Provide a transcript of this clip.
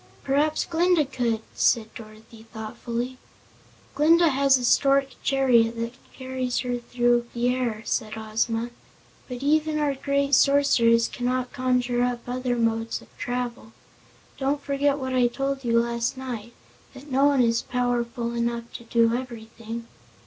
"Perhaps Glinda could," said Dorothy thoughtfully. "Glinda has a stork chariot that carries her through the air," said Ozma, "but even our great Sorceress cannot conjure up other modes of travel. Don't forget what I told you last night, that no one is powerful enough to do everything."